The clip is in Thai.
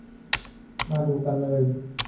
มาดูกันเลย